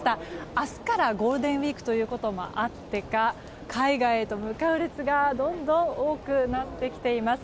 明日からゴールデンウィークということもあってか海外へと向かう列がどんどん多くなってきています。